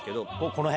この辺？